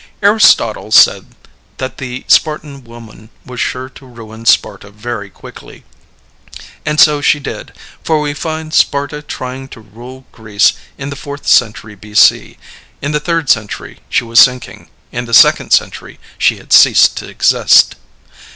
Aristotle said that the Spartan woman was sure to ruin Sparta very quickly. And so she did, for we find Sparta trying to rule Greece in the fourth century B.C.; in the third century she was sinking; in the second century she had ceased to exist.